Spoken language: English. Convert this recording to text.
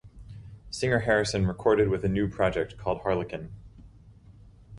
Singer Harrison recorded with a new project called Harlequin.